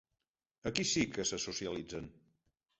Aquí sí que se socialitzen!